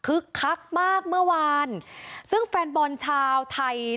คักมากเมื่อวานซึ่งแฟนบอลชาวไทย